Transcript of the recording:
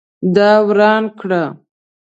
دا وران کړه